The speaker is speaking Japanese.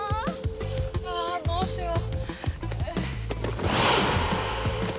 ああどうしよう？